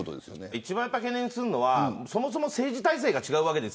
一番懸念するのは政治体制が違うわけです。